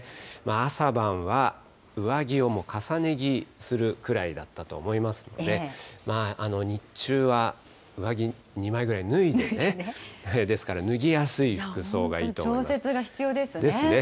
朝晩は上着を重ね着するくらいだったと思いますので、日中は上着２枚ぐらい脱いで、ですから、調節が必要ですね。ですね。